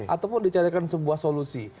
ataupun dicarikan sebuah solusi